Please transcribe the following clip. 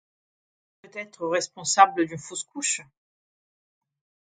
Il peut être responsable d'une fausse-couche.